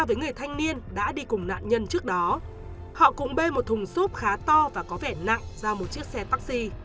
với người thanh niên đã đi cùng nạn nhân trước đó họ cũng bê một thùng xốp khá to và có vẻ nặng ra